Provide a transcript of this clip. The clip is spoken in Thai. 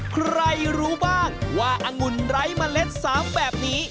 ใครรู้บ้างว่าอังุ่นไร้เมล็ด๓แบบนี้